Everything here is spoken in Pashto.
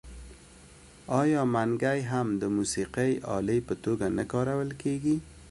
آیا منګی هم د موسیقۍ الې په توګه نه کارول کیږي؟